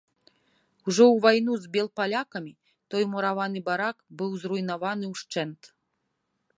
Ужо ў вайну з белапалякамі той мураваны барак быў зруйнаваны ўшчэнт.